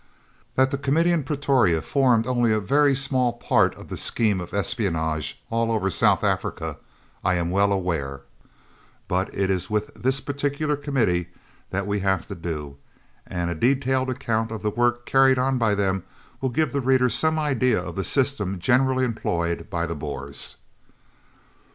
That the Committee in Pretoria formed only a very small part of the scheme of espionage all over South Africa I am well aware, but it is with this particular Committee that we have to do, and a detailed account of the work carried out by them will give the reader some idea of the system generally employed by the Boers.